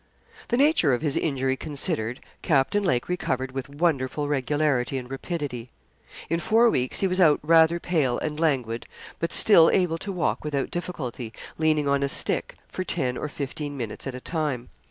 The nature of his injury considered, Captain Lake recovered with wonderful regularity and rapidity. In four weeks he was out rather pale and languid but still able to walk without difficulty, leaning on a stick, for ten or fifteen minutes at a time.